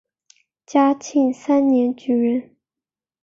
嘉庆三年举人。